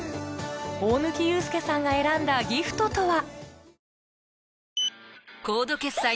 大貫勇輔さんが選んだギフトとは？